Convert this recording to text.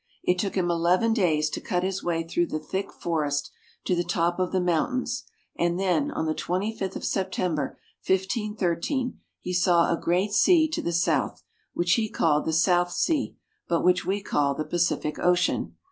It took him eleven days to cut his way through the thick forest to the top of the mountains, and then on the 25th of September, 15 13, he saw a great sea to the south, which he called the South Sea, but which we call the Pacific Ocean.